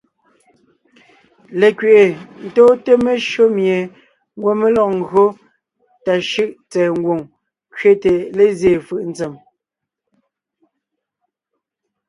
Lekẅi’i tóonte meshÿó mie ńgwɔ́ mé lɔg ńgÿo tà shʉ́ʼ tsɛ̀ɛ ngwòŋ kẅete lézyéen fʉʼ ntsèm.